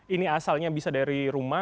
ini asalnya bisa dari rumah